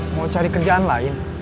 mau cari kerjaan lain